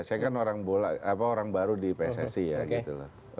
saya kan orang baru di pssi ya gitu